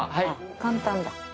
簡単だ。